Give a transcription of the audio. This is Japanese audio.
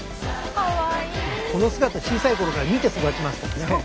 この姿小さい頃から見て育ちますからね。